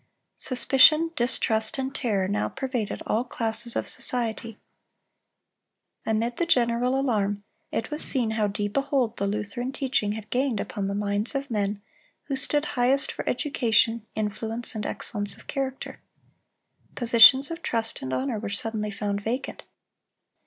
Suspicion, distrust, and terror now pervaded all classes of society. Amid the general alarm it was seen how deep a hold the Lutheran teaching had gained upon the minds of men who stood highest for education, influence, and excellence of character. Positions of trust and honor were suddenly found vacant.